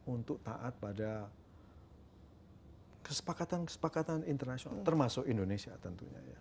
untuk taat pada kesepakatan kesepakatan internasional termasuk indonesia tentunya ya